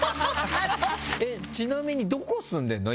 ちなみに今、どこに住んでるの？